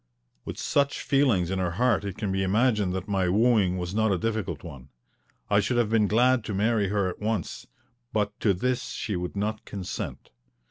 With such feelings in her heart it can be imagined that my wooing was not a difficult one. I should have been glad to marry her at once, but to this she would not consent.